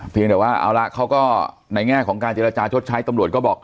เพียงแต่ว่าเอาละเขาก็ในแง่ของการเจรจาชดใช้ตำรวจก็บอก